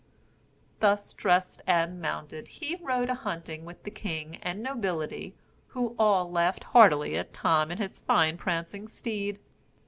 Thus dressed and mounted, he rode a hunting with the king and nobility, who all laughed heartily at Tom and his fine prancing steed.